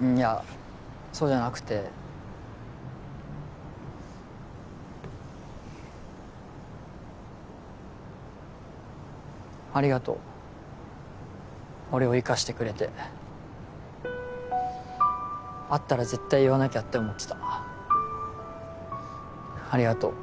うんいやそうじゃなくてありがとう俺を生かしてくれて会ったら絶対言わなきゃって思ってたありがとう